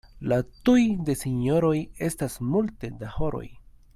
La "tuj" de sinjoroj estas multe da horoj.